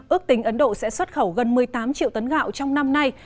ước tính ấn độ sẽ xuất khẩu gần một mươi tám triệu tấn gạo trong năm nay